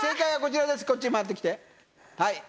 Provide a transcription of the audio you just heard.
こっちへ回ってきてはい。